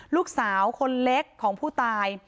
ลูกสาวคนเล็กของผู้ตาย